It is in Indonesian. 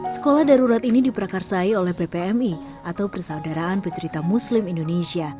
sekolah darurat ini diprakarsai oleh ppmi atau persaudaraan pencerita muslim indonesia